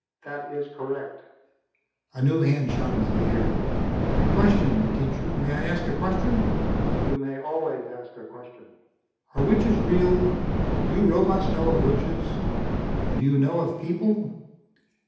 "That is correct." A new hand shot into the air. "Question, teacher. May I ask a question?" "You may always ask a question." "Are witches real? Do you robots know of witches? And do you know of people?